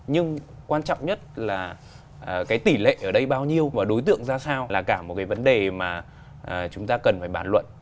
nhưng quan trọng nhất là cái tỷ lệ ở đây bao nhiêu và đối tượng ra sao là cả một cái vấn đề mà chúng ta cần phải bàn luận